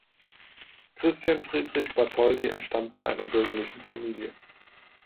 Christian Friedrich Bartholdi entstammte einer bürgerlichen Familie.